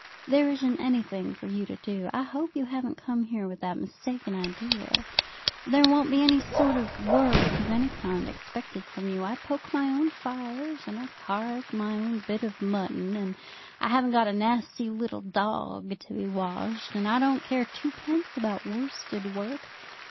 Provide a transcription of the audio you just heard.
"There isn't anything for you to do. I hope you haven't come here with that mistaken idea. There won't be any sort of work of any kind expected from you. I poke my own fires, and I carve my own bit of mutton. And I haven't got a nasty little dog to be washed. And I don't care twopence about worsted work.